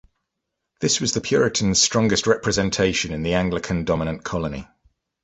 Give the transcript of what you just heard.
This was the Puritans' strongest representation in the Anglican-dominant colony.